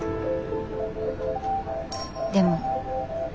でも。